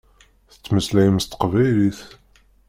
Tettmeslayemt s teqbaylit.